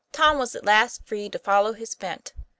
was at last free to follow his bent.